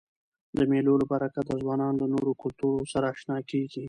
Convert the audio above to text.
د مېلو له برکته ځوانان له نورو کلتورو سره اشنا کيږي.